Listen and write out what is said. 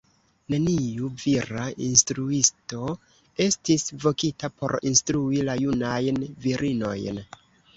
Neniu vira instruisto estis vokita por instrui la junajn virinojn.